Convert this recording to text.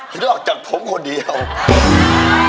น้องไมโครโฟนจากทีมมังกรจิ๋วเจ้าพญา